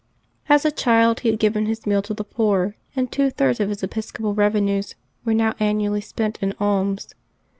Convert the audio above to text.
As a child he had given his meal to the poor, and two thirds of his episcopal revenues were now annually spent in alms.